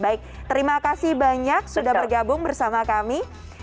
baik terima kasih banyak sudah bergabung bersama kami